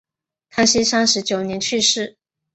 康熙三十九年去世。